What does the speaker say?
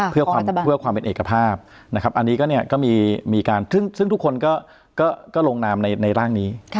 เพื่อความเป็นเอกภาพนะครับอันนี้ก็เนี่ยก็มีการซึ่งทุกคนก็ลงนามในร่างนี้